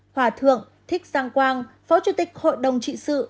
hòa thượng thích giang quang phó chủ tịch hội đồng trị sự